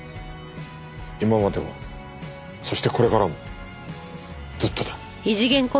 今までもそしてこれからもずっとだ。